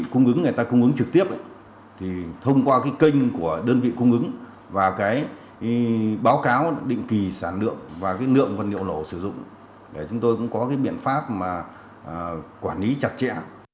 cung ứng người ta cung ứng trực tiếp thông qua cái kênh của đơn vị cung ứng và báo cáo định kỳ sản lượng và cái lượng vật liệu nổ sử dụng để chúng tôi cũng có cái biện pháp mà quản lý chặt chẽ